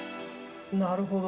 なるほど。